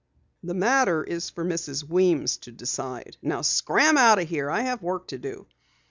"The matter is for Mrs. Weems to decide. Now scram out of here! I have work to do."